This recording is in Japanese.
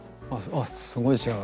あっすごい違う。